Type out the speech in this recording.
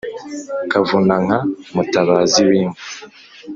kavunanka: mutabazi w’inka